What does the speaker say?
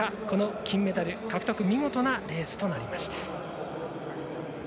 金メダル獲得、見事なレースとなりました。